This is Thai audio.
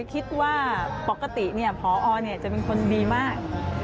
ก็เลยคิดว่าปกตินี่ผอจะเป็นคนดีมาก